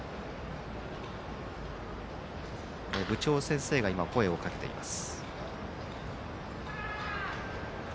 部長先生が声をかけています。